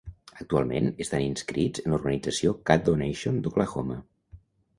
Actualment estan inscrits en l'organització Caddo Nation d'Oklahoma.